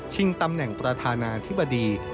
ตำแหน่งประธานาธิบดี